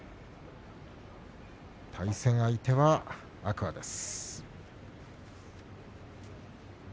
対戦相手は天空海です。